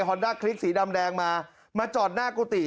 อนด้าคลิกสีดำแดงมามาจอดหน้ากุฏิ